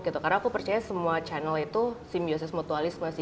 karena aku percaya semua channel itu simbiosis mutualistent